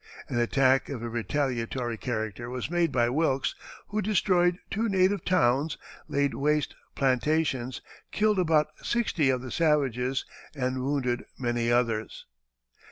An attack of a retaliatory character was made by Wilkes, who destroyed two native towns, laid waste plantations, killed about sixty of the savages and wounded many others.